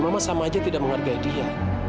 mama sama aja tidak menghargai dia